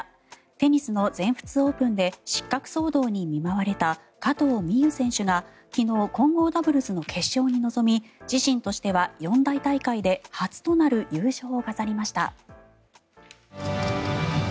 テニスの全仏オープンで失格騒動に見舞われた加藤未唯選手が昨日混合ダブルスの決勝に臨み自身としては四大大会で初となる優勝を飾りました。